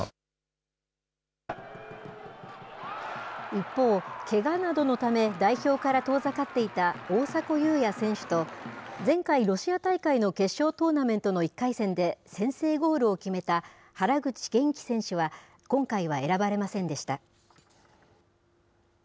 一方、けがなどのため、代表から遠ざかっていた大迫勇也選手と、前回、ロシア大会の決勝トーナメントの１回戦で先制ゴールを決めた原口元気選手は、今回は選ばれませんでした。